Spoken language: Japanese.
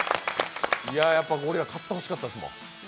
やっぱゴリラ、買ってほしかったですもん。